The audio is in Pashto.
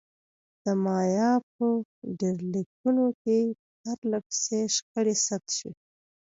د مایا په ډبرلیکونو کې پرله پسې شخړې ثبت شوې.